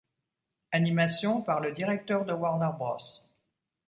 Animation par le directeur de Warner Bros.